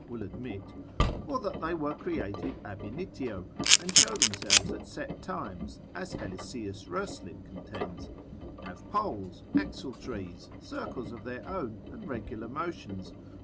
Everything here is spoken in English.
will admit: or that they were created ab initio, and show themselves at set times. and as Helisaeus Roeslin contends, have poles, axle trees, circles of their own, and regular motions.